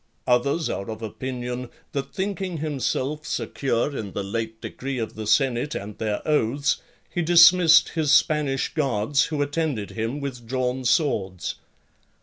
Others are of opinion, that thinking himself secure in the late decree of the senate, and their oaths, he dismissed his Spanish guards who attended him with drawn swords.